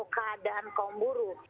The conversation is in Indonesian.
keadaan kaum buru